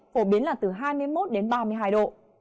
phổ biến là từ hai mươi một đến ba mươi hai độ